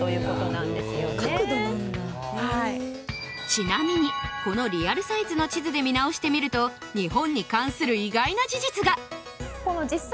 ちなみにこのリアルサイズの地図で見直してみると日本に関する意外な事実が！